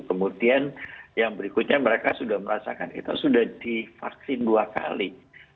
kemudian yang berikutnya mereka sudah merasakan kita sudah divaksin dua kali